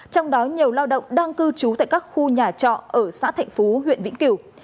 trong đó nhiều lao động đang cư trú tại các khu nhà trọ ở xã thạnh phú huyện vĩnh kiều